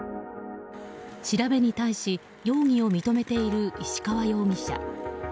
調べに対し容疑を認めている石川容疑者。